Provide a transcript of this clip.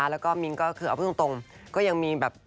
แล้วก็มิ้งก็คือเอาพูดตรงก็ยังมีแบบ